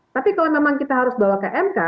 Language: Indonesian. tapi kalau memang kita harus bawa ke mk